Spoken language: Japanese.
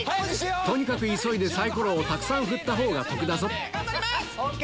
とにかく急いでサイコロをたくさん振ったほうが得だぞＯＫ？